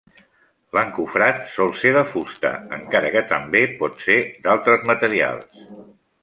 L'encofrat sol ser de fusta, encara que també pot ser d'altres materials.